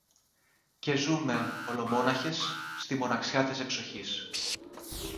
Και ζούμε, ολομόναχες, στη μοναξιά της εξοχής